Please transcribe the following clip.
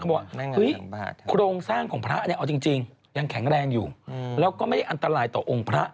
บอกว่าเฮ้ยโครงสร้างของพระเนี่ยเอาจริงยังแข็งแรงอยู่แล้วก็ไม่ได้อันตรายต่อองค์พระ